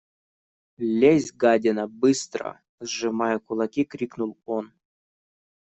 – Лезь, гадина, быстро! – сжимая кулаки, крикнул он.